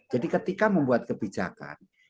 jadi ketika membuat kebijakan